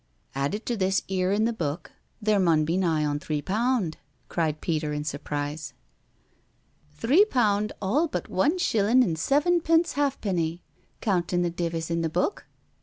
*' Added to this 'ere in the book there mun be nigh on three pound," cried Peter in surprise. " Three pound all but one shillin' and sevenpence halfpenny, counting the divis in the book."